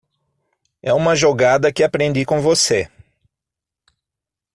É uma jogada que aprendi com você.